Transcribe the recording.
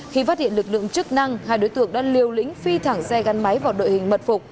khi phát hiện lực lượng chức năng hai đối tượng đã liều lĩnh phi thẳng xe gắn máy vào đội hình mật phục